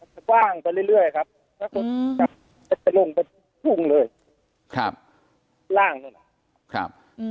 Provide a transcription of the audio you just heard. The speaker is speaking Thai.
จะกว้างไปเรื่อยครับก็จะลงไปทุ่งเลยค่ะล่างเลยครับค่ะ